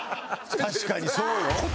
確かにそうよ。